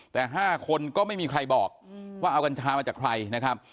แต่๕คนก็ไม่มีใครบอกว่าเอากัญชามาจากใครนะครับ